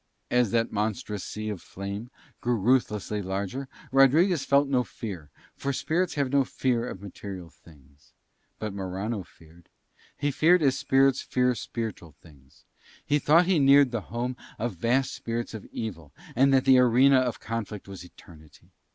As that monstrous sea of flame grew ruthlessly larger Rodriguez felt no fear, for spirits have no fear of material things: but Morano feared. He feared as spirits fear spiritual things; he thought he neared the home of vast spirits of evil and that the arena of conflict was eternity.